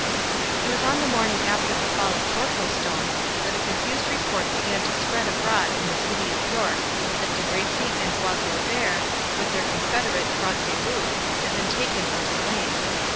It was on the morning after the fall of Torquilstone, that a confused report began to spread abroad in the city of York, that De Bracy and Bois Guilbert, with their confederate Front de Bœuf, had been taken or slain.